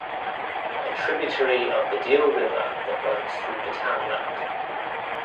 A tributary of the Deel river that runs through the townland.